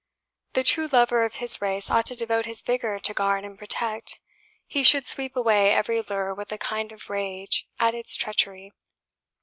The true lover of his race ought to devote his vigour to guard and protect; he should sweep away every lure with a kind of rage at its treachery.